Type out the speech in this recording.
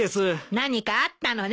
何かあったのね？